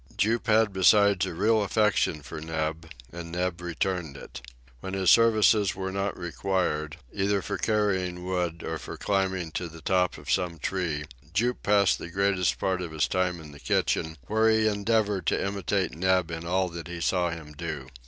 Jup had besides a real affection for Neb, and Neb returned it. When his services were not required, either for carrying wood or for climbing to the top of some tree, Jup passed the greatest part of his time in the kitchen, where he endeavored to imitate Neb in all that he saw him do.